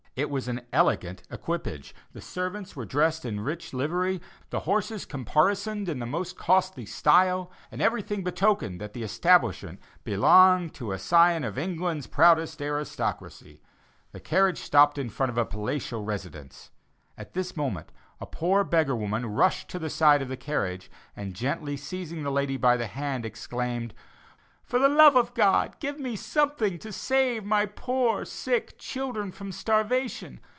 It was an elegant equipage; the servants were dressed in rich livery; the horses caparisoned in the most costly style; and everything betokened that the establishment belonged to a scion of England's proudest aristocracy. The carriage stopped in front of a palatial residence. At this moment a poor beggar woman rushed to the side of the carriage, and gently seizing the lady by the hand, exclaimed, "For the love of God give me something to save my poor sick children from starvation.